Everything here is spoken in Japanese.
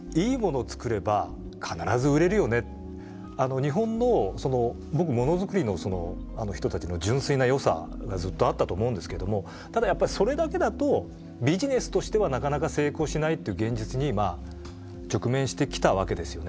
日本のものづくりの人たちの純粋なよさがずっとあったと思うんですけどもただやっぱりそれだけだとビジネスとしてはなかなか成功しないっていう現実に直面してきたわけですよね。